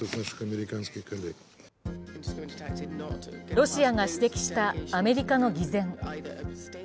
ロシアが指摘したアメリカの偽善。